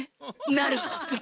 なるほど。